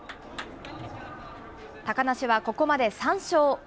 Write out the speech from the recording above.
高梨はここまで３勝。